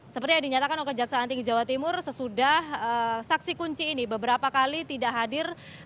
seperti yang dinyatakan oleh kejaksaan tinggi jawa timur sesudah saksi kunci ini beberapa kali tidak hadir